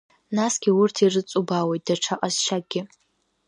Насгьы урҭ ирыҵубаауеит даҽа ҟазшьакгьы.